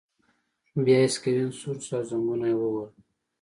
بیا یې سکرین سور شو او زنګونه یې ووهل